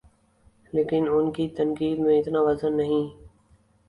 لیکن ان کی تنقید میں اتنا وزن نہیں۔